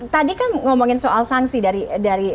tadi kan ngomongin soal sanksi dari